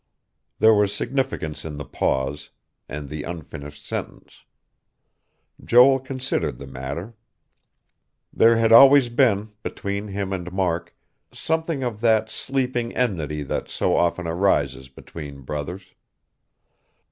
There was significance in the pause, and the unfinished sentence. Joel considered the matter. There had always been, between him and Mark, something of that sleeping enmity that so often arises between brothers.